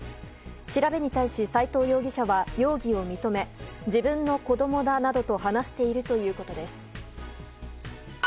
調べに対し斉藤容疑者は容疑を認め自分の子供だなどと話しているということです。